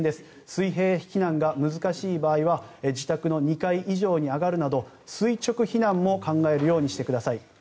水平避難が難しい場合は自宅の２階以上に上がるなど垂直避難も考えるようにしてください。